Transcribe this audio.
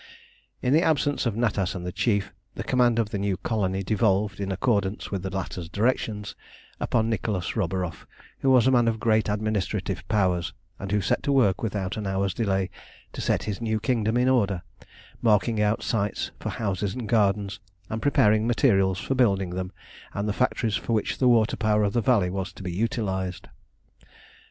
In the absence of Natas and the Chief, the command of the new colony devolved, in accordance with the latter's directions, upon Nicholas Roburoff, who was a man of great administrative powers, and who set to work without an hour's delay to set his new kingdom in order, marking out sites for houses and gardens, and preparing materials for building them and the factories for which the water power of the valley was to be utilised.